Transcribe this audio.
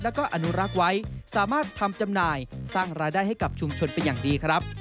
แล้วก็อนุรักษ์ไว้สามารถทำจำหน่ายสร้างรายได้ให้กับชุมชนเป็นอย่างดีครับ